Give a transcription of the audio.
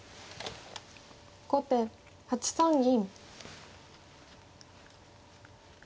後手８三銀。